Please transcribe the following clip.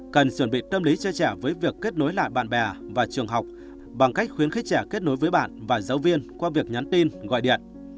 cần chuẩn bị tâm lý chơi trẻ với việc kết nối lại bạn bè và trường học bằng cách khuyến khích trẻ kết nối với bạn và giáo viên qua việc nhắn tin gọi điện